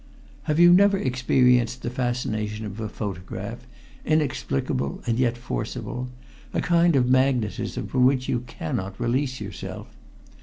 Have you never experienced the fascination of a photograph, inexplicable and yet forcible a kind of magnetism from which you cannot release yourself?